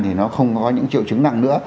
thì nó không có những triệu chứng nặng nữa